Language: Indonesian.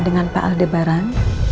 dengan pak aldebaran